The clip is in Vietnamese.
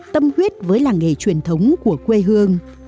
tâm huyết với làng nghề truyền thống của quê hương